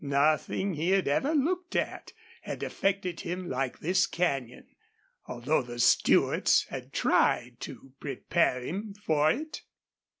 Nothing he had ever looked at had affected him like this canyon, although the Stewarts had tried to prepare him for it.